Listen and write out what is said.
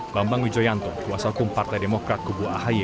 bambang wijoyanto kuasa hukum partai demokrat kubu ahy